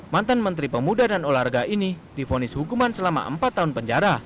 mantan menteri pemuda dan olahraga ini difonis hukuman selama empat tahun penjara